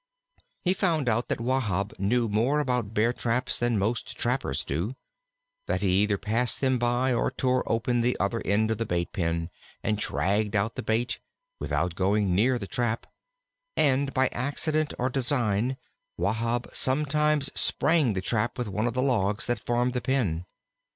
He found that Wahb knew more about Bear traps than most trappers do; that he either passed them by or tore open the other end of the bait pen and dragged out the bait without going near the trap, and by accident or design Wahb sometimes sprang the trap with one of the logs that formed the pen.